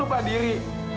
aku pergi aku pergi